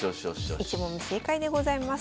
１問目正解でございます。